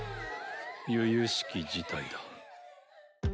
由々しき事態だ。